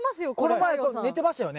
この前寝てましたよね？